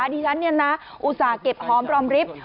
ดิฉันอุตส่าห์เก็บหอมรอมริฟท์